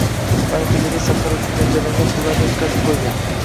va natijada safar uchun mo‘ljallangan pullarni yutqazib qo‘ygan.